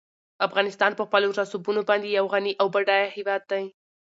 افغانستان په خپلو رسوبونو باندې یو غني او بډای هېواد دی.